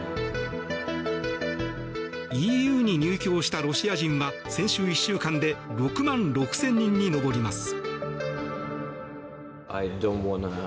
ＥＵに入境したロシア人は先週１週間で６万６０００人に上ります。